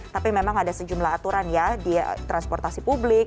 tapi memang ada sejumlah aturan ya di transportasi publik